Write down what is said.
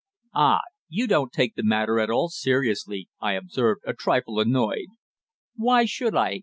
"Ah! You don't take the matter at all seriously!" I observed, a trifle annoyed. "Why should I?"